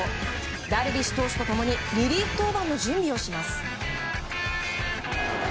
ダルビッシュ投手と共にリリーフ登板の準備をします。